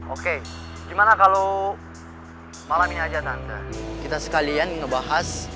oke gimana kalau malam ini aja nanda kita sekalian ngebahas